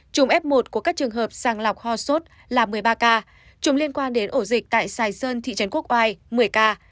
trùng f một của các trường hợp sàng lọc ho sốt là một mươi ba ca trùng liên quan đến ổ dịch tại sài sơn thị trấn quốc oai một mươi ca